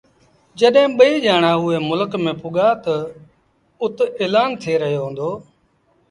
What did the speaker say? جڏهيݩ ٻئيٚ ڄآڻآݩ اُئي ملڪ ميݩ پُڳآ تا اُت ايلآݩ ٿئي رهيو هُݩدو